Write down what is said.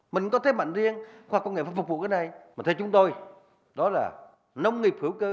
mình có thế mạnh riêng khoa học công nghệ phải phục vụ cái này mà theo chúng tôi đó là nông nghiệp hữu cơ